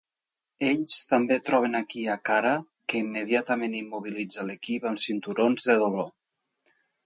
Ells també troben aquí a Kara, que immediatament immobilitza l"equip amb cinturons de dolor.